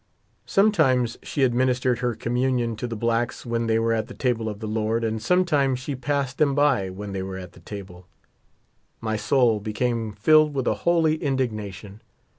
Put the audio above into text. Some times she administered her communion to the blacks when they were at the table of the Lord, and sometimes she passed them by when they were at the table. My soul became filled with a holy indignation.